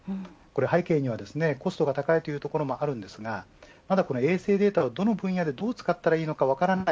背景には、コストが高いというところもありますが衛星データをどの分野でどう使ったらいいのか分からない